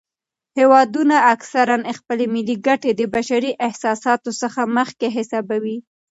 هیوادونه اکثراً خپلې ملي ګټې د بشري احساساتو څخه مخکې حسابوي.